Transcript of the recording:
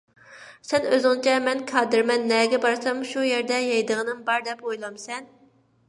سەن ئۆزۈڭچە مەن كادىرمەن، نەگە بارسام شۇ يەردە يەيدىغىنىم بار دەپ ئويلامسەن؟!